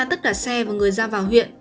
tất cả xe và người ra vào huyện